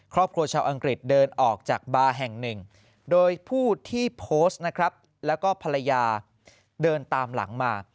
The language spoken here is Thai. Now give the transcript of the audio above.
ชาวอังกฤษเดินออกจากบาร์แห่งหนึ่งโดยผู้ที่โพสต์นะครับแล้วก็ภรรยาเดินตามหลังมา